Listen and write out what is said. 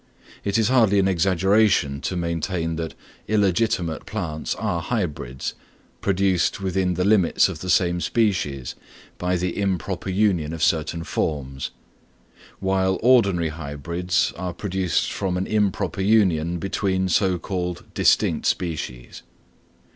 It is hardly an exaggeration to maintain that illegitimate plants are hybrids, produced within the limits of the same species by the improper union of certain forms, while ordinary hybrids are produced from an improper union between so called distinct species.